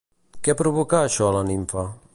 Què provocà això a la nimfa?